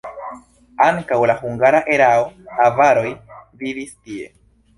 Antaŭ la hungara erao avaroj vivis tie.